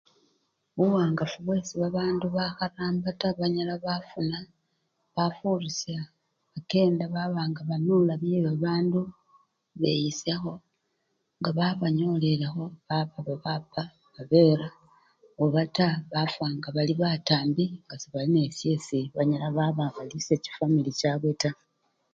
Buwangafu bwesi bandu bakharamba taa banyala bafuna, bafurisya bakenda baba nga banula byebabandu, beyisyakho nga babanyolelekho baba! babapa, babera obata bafwa nga bali batambi nga sebali nesyesi banyala baba nga balisya chifwamili chabwe taa.